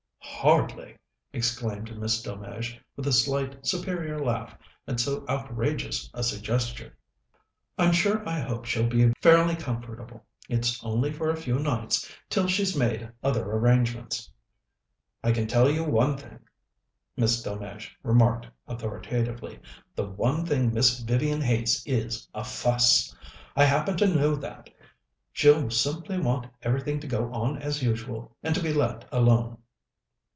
"Hardly!" exclaimed Miss Delmege, with a slight, superior laugh at so outrageous a suggestion. "I'm sure I hope she'll be fairly comfortable. It's only for a few nights, till she's made other arrangements." "I can tell you one thing," Miss Delmege remarked authoritatively. "The one thing Miss Vivian hates is a fuss. I happen to know that. She'll simply want everything to go on as usual, and to be let alone."